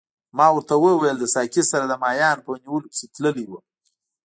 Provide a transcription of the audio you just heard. ما ورته وویل له ساقي سره د ماهیانو په نیولو پسې تللی وم.